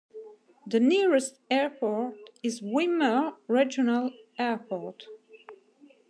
The nearest airport is Winner Regional Airport.